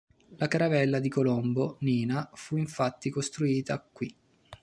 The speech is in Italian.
La caravella di Colombo "Niña" fu infatti costruita qui.